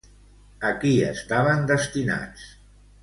A qui estaven destinats?